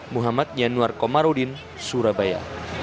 muhammad yanuar komarudin surabaya